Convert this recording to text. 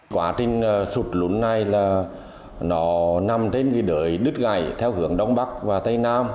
quá trình sụt lũ này là nó nằm trên cái đới đứt gầy theo hướng đông bắc và tây nam